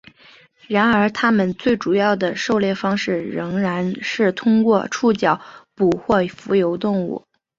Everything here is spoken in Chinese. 然而它们最主要的捕猎方法仍然是通过触角捕获浮游动物。